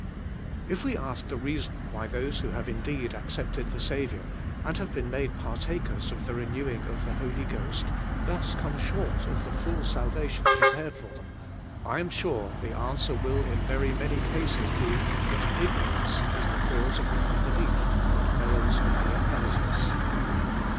If we ask the reason why those who have indeed accepted the Saviour, and been made partakers of the renewing of the Holy Ghost, thus come short of the full salvation prepared for them, I am sure the an swer will in very many cases be, that ignorance is the 6 PREFACE. cause of the unbelief that fails of the inheritance.